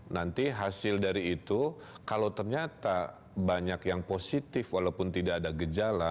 nanti hasil dari itu kalau ternyata banyak yang positif walaupun tidak ada gejala